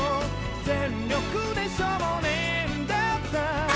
「全力で少年だった」